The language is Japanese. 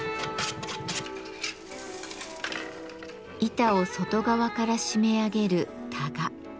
板を外側から締め上げる「タガ」。